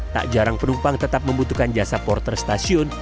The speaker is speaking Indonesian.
tak jarang penumpang tetap membutuhkan jasa porter stasiun